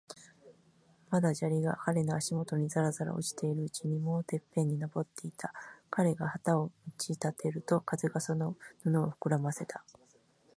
まだ砂利が彼の足もとにざらざら落ちているうちに、もうてっぺんに登っていた。彼が旗を打ち立てると、風がその布をふくらませた。